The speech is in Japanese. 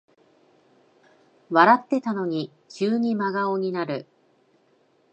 笑ってたのに急に真顔になる